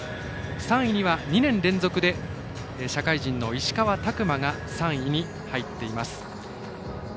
３位には、２年連続で社会人の石川拓磨が３位に入っています。